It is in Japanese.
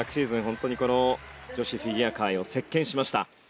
本当にこの女子フィギュア界を席巻しました。